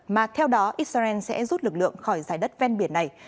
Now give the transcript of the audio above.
mà theo đó israel sẽ rút lực lượng khỏi giải đất ven biển này